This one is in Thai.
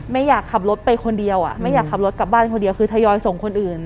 ไม่อยากขับรถไปคนเดียวไม่อยากขับรถกลับบ้านคนเดียวคือทยอยส่งคนอื่น